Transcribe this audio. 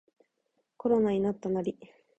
コロナになったナリ